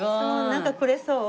なんかくれそう？